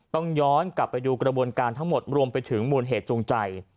ต้องย้อนกลับไปดูกระบวนการทั้งหมดรวมไปถึงมูลเหตุจูงใจ